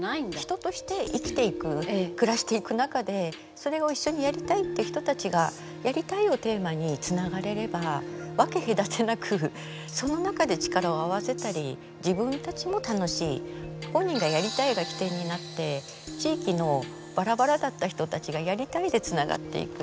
人として生きていく暮らしていく中でそれを一緒にやりたいっていう人たちがやりたいをテーマにつながれれば分け隔てなくその中で力を合わせたり自分たちも楽しい本人が「やりたい」が起点になって地域のばらばらだった人たちがやりたいでつながっていく。